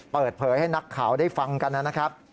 เปิดเผยให้นักข่าวได้ฟังกันนะครับ